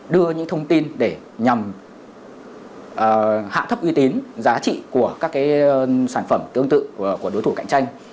đưa những thông tin để nhằm hạ thấp uy tín giá trị của các sản phẩm tương tự của đối thủ cạnh tranh